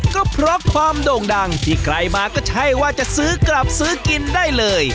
ก็เพราะความโด่งดังที่ใครมาก็ใช่ว่าจะซื้อกลับซื้อกินได้เลย